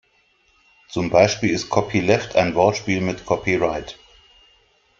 Zum Beispiel ist Copyleft ein Wortspiel mit Copyright.